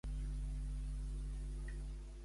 Què fa la Quima amb un?